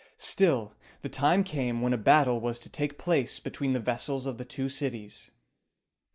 Still the time came when a battle was to take place between the vessels of the two cities.